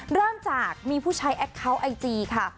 เริ่มจากมีผู้ใช้แอคเคาน์ไอจีค่ะ